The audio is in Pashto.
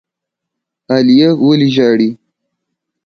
عالیه ولي ژاړي؟